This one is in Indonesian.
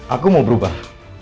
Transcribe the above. aku mau berubah